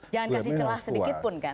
jangan kasih celah sedikit pun kan